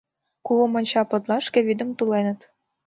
Кугу монча подлашке вӱдым туленыт.